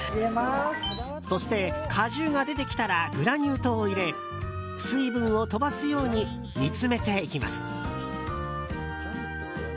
そして、果汁が出てきたらグラニュー糖を入れ水分を飛ばすように煮詰めていきます。